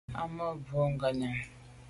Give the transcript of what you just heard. Á ma’ mbwe ngabnyàm.